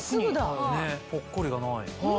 ぽっこりがない。